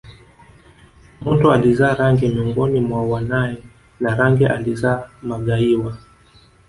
Monto alizaa Range miongoni mwa wanae na Range alizaa Magaiwa